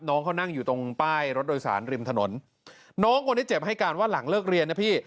น้องเขานั่งอยู่ตรงป้ายรถโดยสารริมถนนน้องคนที่เจ็บให้การว่าหลังเลิกเรียนนะพี่